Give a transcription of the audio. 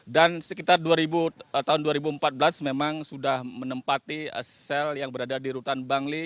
dan sekitar tahun dua ribu empat belas memang sudah menempati sel yang berada di rutan bangli